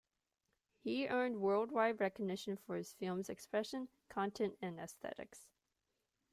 He earned worldwide recognition for his film's expression, content, and aesthetics.